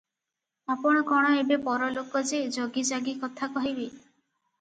ଆପଣ କଣ ଏବେ ପରଲୋକ ଯେ ଜଗିଜାଗି କଥା କହିବି?